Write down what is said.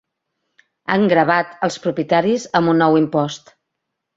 Han gravat els propietaris amb un nou impost.